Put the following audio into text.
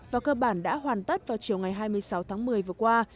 và cơ bản đã hoàn tất vào chiều ngày hai mươi sáu tháng một mươi vừa qua